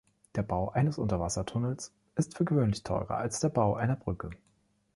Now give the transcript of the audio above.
Der Bau eines Unterwassertunnels ist für gewöhnlich teurer als der Bau einer Brücke.